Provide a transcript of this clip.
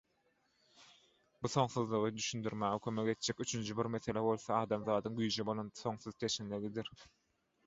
Bu soňsuzlygy düşündirmäge kömek etjek üçünji bir mesele bolsa adamzadyň güýje bolan soňsuz teşneligidir.